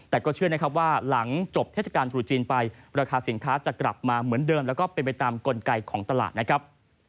แต่ก็เชื่อนะครับว่าหลังจบเทศกาลตรุษจีนไปราคาสินค้าจะกลับมาเหมือนเดิมแล้วก็เป็นไปตามกลไกของตลาดนะครับ